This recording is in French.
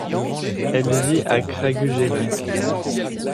Elle vit à Kragujevac.